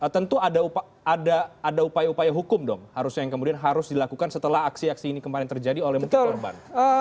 tentu ada upaya upaya hukum dong yang kemudian harus dilakukan setelah aksi aksi ini kemarin terjadi oleh mungkin korban